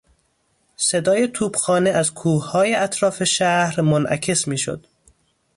صدای توپخانه از کوههای اطراف شهر منعکس میشد.